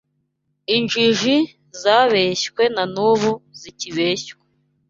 injiji zabeshywe na n’ubu zikibeshywa.”